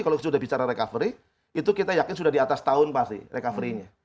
kalau sudah bicara recovery itu kita yakin sudah di atas tahun pasti recovery nya